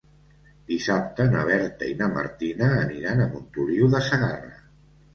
Dissabte na Berta i na Martina aniran a Montoliu de Segarra.